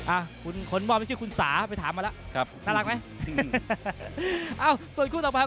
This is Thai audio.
อ่ะคนมอบนี้ชื่อคุณสาไปถามมาแล้ว